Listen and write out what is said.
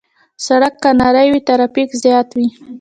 سړک که نری وي، ترافیک زیات وي.